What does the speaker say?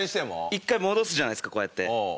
一回戻すじゃないですかこうやって。